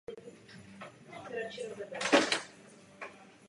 Jak přesvědčíme členské státy, že je společná politika znovuusídlování lepší?